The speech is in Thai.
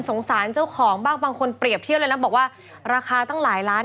สงสารเจ้าของบ้างบางคนเปรียบเทียบเลยนะบอกว่าราคาตั้งหลายล้าน